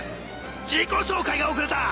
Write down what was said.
自己紹介が遅れた！